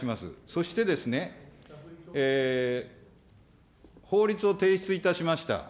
そしてですね、法律を提出いたしました。